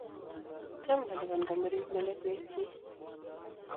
Tom kolipan kampunit melekwekchi